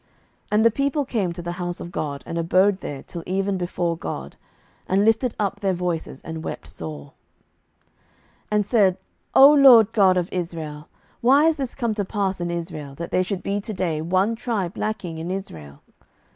07:021:002 And the people came to the house of God, and abode there till even before God, and lifted up their voices, and wept sore; 07:021:003 And said, O LORD God of Israel, why is this come to pass in Israel, that there should be to day one tribe lacking in Israel?